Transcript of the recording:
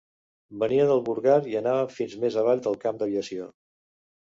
Venia del Burgar i anava fins més avall del Camp d'Aviació.